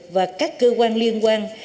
và các cơ quan liên quan